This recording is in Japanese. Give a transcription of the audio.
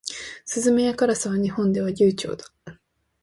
スズメやカラスは日本では留鳥だ。